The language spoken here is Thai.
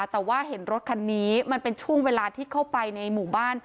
แต่ว่าเห็นรถคันนี้มันเป็นช่วงเวลาที่เข้าไปในหมู่บ้าน